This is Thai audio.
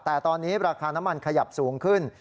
แต่ตอนนี้ราคาน้ำมันขยับสูงขึ้น